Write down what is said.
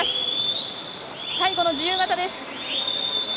最後の自由形です」。